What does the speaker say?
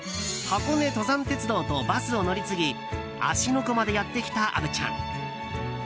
箱根登山鉄道とバスを乗り継ぎ芦ノ湖までやってきた虻ちゃん。